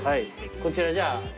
こちらじゃあ一つ。